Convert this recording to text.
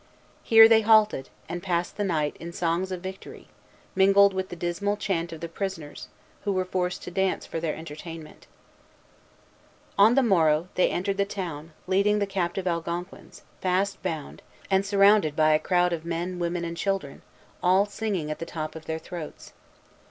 Here they halted, and passed the night in songs of victory, mingled with the dismal chant of the prisoners, who were forced to dance for their entertainment. Vimont, Relation, 1642, 46. On the morrow, they entered the town, leading the captive Algonquins, fast bound, and surrounded by a crowd of men, women, and children, all singing at the top of their throats.